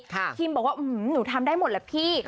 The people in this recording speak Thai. คิมบอกว่าหนูทำได้หมดแหละพี่